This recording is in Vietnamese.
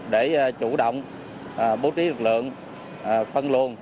để chủ động bố trí lực lượng phân luồn